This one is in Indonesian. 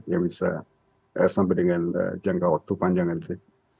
yang bisa sampai dengan jangka waktu panjang nanti